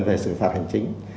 về xử phạt hành chính